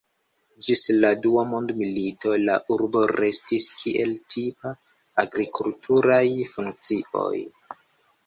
Ĝis la Dua Mondmilito la urbo restis kiel tipa agrikulturaj funkcioj.